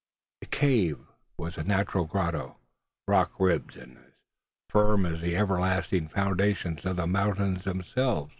The cave was a natural grotto, rock ribbed, and as firm as the everlasting foundations of the mountains themselves.